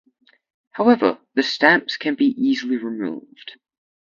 However, the stamps can be easily removed.